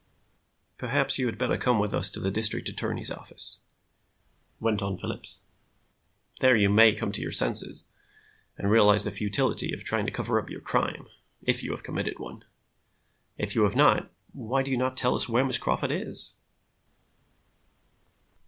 "Perhaps you had better come with us to the district attorney's office," went on Phillips. "There you may come to your senses and realize the futility of trying to cover up your crime if you have committed one. If you have not, why do you not tell us where Miss Crawford is?"